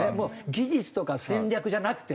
技術とか戦略じゃなくて。